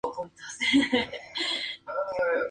Sus ventas de libros han superado las cinco millones de copias.